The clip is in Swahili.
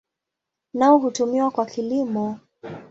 Nao hutumiwa kwa kilimo.